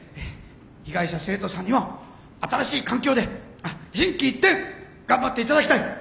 被害者生徒さんにも新しい環境で心機一転頑張って頂きたい。